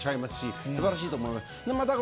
素晴らしいと思います。